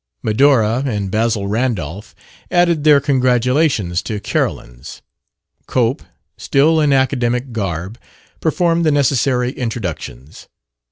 Medora and Basil Randolph added their congratulations to Carolyn's. Cope, still in academic garb, performed the necessary introductions.